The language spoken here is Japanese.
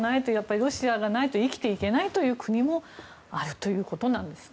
ロシアがないと生きていけないという国もあるということなんですね。